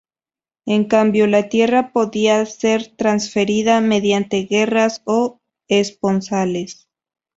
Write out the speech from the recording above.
En cambio, la tierra podía ser transferida mediante guerras o esponsales.